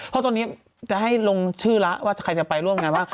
เพราะตอนนี้จะให้ลงชื่อแล้วว่าใครจะไปร่วมงานว่า